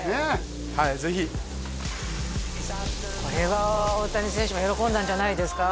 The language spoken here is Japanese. はいぜひこれは大谷選手も喜んだんじゃないですか？